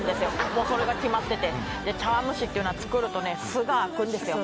もうそれが決まっててで茶碗蒸しっていうのは作るとね鬆が入るんですよ